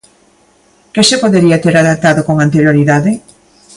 ¿Que se podería ter adaptado con anterioridade?